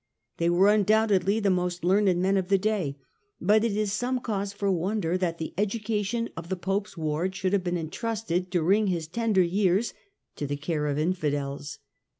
They were undoubtedly the most learned men of the day, but it is some cause for wonder that the education of the Pope's ward should have been entrusted, during his tender years, to the care of infidels.